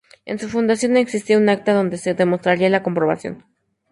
En su fundación no existía un acta donde se demostraría la comprobación.